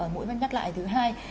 mũi văn nhắc lại thứ hai